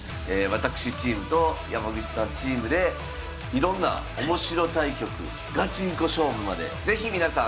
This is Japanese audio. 私チームと山口さんチームでいろんなおもしろ対局ガチンコ勝負まで是非皆さん